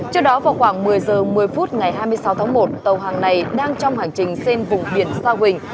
trước đó vào khoảng một mươi h một mươi phút ngày hai mươi sáu tháng một tàu hàng này đang trong hành trình trên vùng biển sa huỳnh